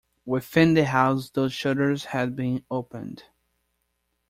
Within the house those shutters had been opened.